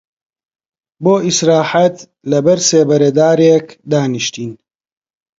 بۆ ئیستراحەت لە بەر سێبەرە دارێک دانیشتین